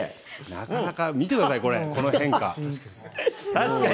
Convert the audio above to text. なかなか、見てください、これ、確かに。